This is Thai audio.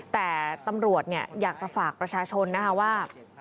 แต่ตำรวจอยากจะฝากประชาชนนะคะว่า